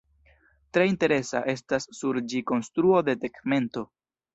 Tre interesa estas sur ĝi konstruo de tegmento.